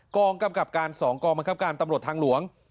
กองกำกับการ๒กองบังคับการตำรวจทางหลวง